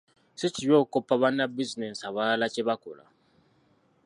Si kibi okukoppa bannabizinensi abalala kye bakola.